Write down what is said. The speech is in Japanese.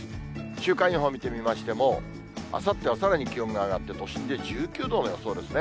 週間予報見てみましても、あさってはさらに気温が上がって、都心で１９度の予想ですね。